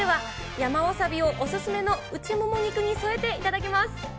山わさびをお勧めの内もも肉に添えて、頂きます。